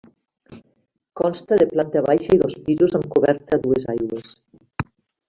Consta de planta baixa i dos pisos amb coberta a dues aigües.